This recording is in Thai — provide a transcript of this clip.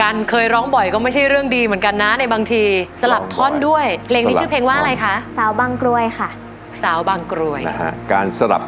อินโทรยกที่หนึ่งของน้องปังปอนมาเลยครับ